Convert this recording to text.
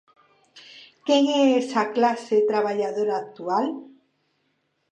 Quen é esa clase traballadora actual?